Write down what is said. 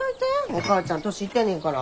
お母ちゃん年いってんねんから。